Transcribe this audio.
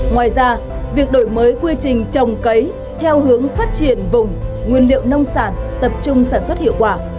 ngoài ra việc đổi mới quy trình trồng cấy theo hướng phát triển vùng nguyên liệu nông sản tập trung sản xuất hiệu quả